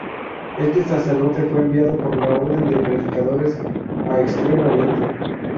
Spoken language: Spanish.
Este sacerdote fue enviado por la orden de predicadores a Extremo Oriente.